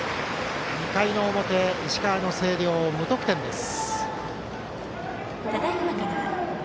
２回の表、石川の星稜無得点です。